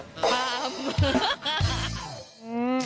บาม